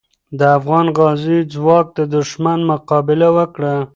د افغان غازیو ځواک د دښمن مقابله وکړه.